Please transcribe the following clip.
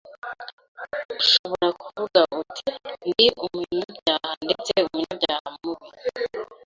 Ushobora kuvuga uti: «Ndi umunyabyaha ndetse umunyabyaha mubi